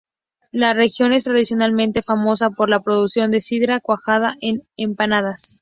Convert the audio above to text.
La región es tradicionalmente famosa por la producción de sidra, cuajada y empanadas.